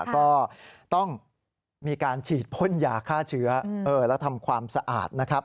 ก็ต้องมีการฉีดพ่นยาฆ่าเชื้อและทำความสะอาดนะครับ